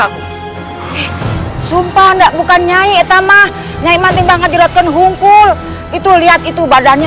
hai sumpah enggak bukan nyai etama nyai mati banget di rekon hukum pul itu lihat itu badannya